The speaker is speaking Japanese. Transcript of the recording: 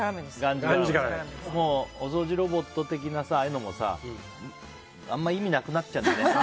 お掃除ロボット的なああいうのもさ、あんま意味なくなっちゃうんだよね。